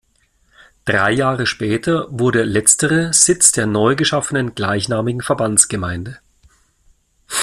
Drei Jahre später wurde letztere Sitz der neu geschaffenen gleichnamigen Verbandsgemeinde.